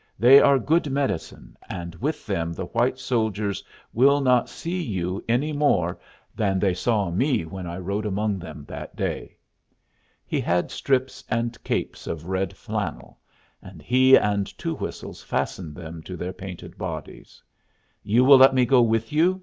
They are good medicine, and with them the white soldiers will not see you any more than they saw me when I rode among them that day." He had strips and capes of red flannel, and he and Two Whistles fastened them to their painted bodies. "You will let me go with you?"